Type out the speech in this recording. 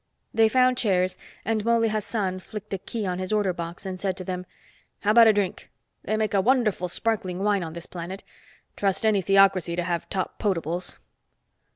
They found chairs and Mouley Hassan flicked a key on his order box and said to them, "How about a drink? They make a wonderful sparkling wine on this planet. Trust any theocracy to have top potables."